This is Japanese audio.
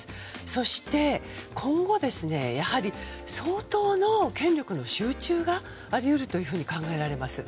そして今後相当の権力の集中があり得ると考えられます。